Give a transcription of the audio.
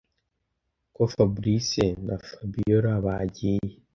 ko fabric na fabiora bagiye